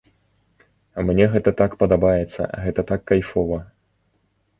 Мне гэта так падабаецца, гэта так кайфова.